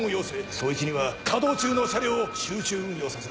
捜一には稼働中の車両を集中運用させろ。